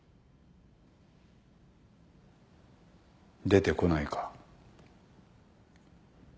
出てこないか。